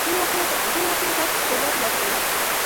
ځینې وختونه تاسو بریا ترلاسه کوئ.